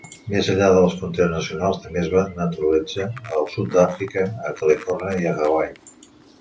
Més enllà de les fronteres nacionals, també es naturalitza al sud d'Àfrica, a Califòrnia i a Hawaii.